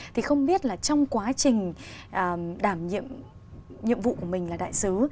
thì không biết là trong quá trình đảm nhiệm vụ của mình là đại sứ